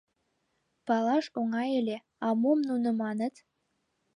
— Палаш оҥай ыле: а мом нуно маныт?